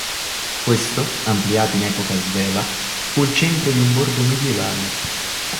Questo, ampliato in epoca sveva, fu il centro di un borgo medievale.